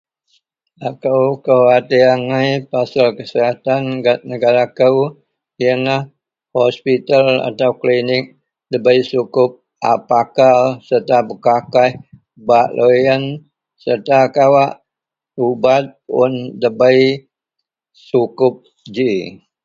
Akou kuawatir angai pasel kesihatan gak negara kou yenlah hospital atau klinik nda bei sukup ji a pakar serta bekakaih bak loyen serta kawak ubat puun debei sukup ji